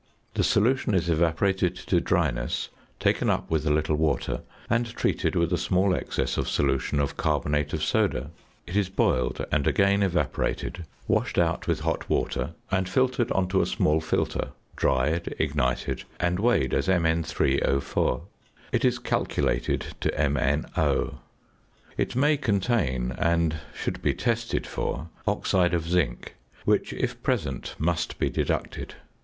The solution is evaporated to dryness, taken up with a little water and treated with a small excess of solution of carbonate of soda. It is boiled and again evaporated, washed out with hot water and filtered on to a small filter, dried, ignited, and weighed as Mn_O_. It is calculated to MnO. It may contain, and should be tested for oxide of zinc, which, if present, must be deducted.